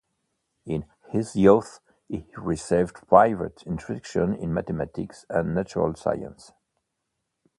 In his youth he received private instruction in mathematics and natural science.